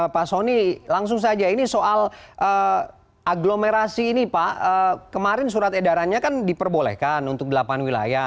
pak soni langsung saja ini soal agglomerasi ini pak kemarin surat edarannya kan diperbolehkan untuk delapan wilayah